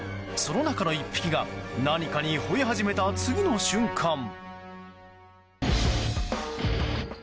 その中の１匹が何かにほえ始めた次の瞬間。